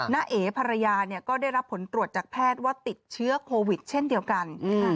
เอ๋ภรรยาก็ได้รับผลตรวจจากแพทย์ว่าติดเชื้อโควิดเช่นเดียวกัน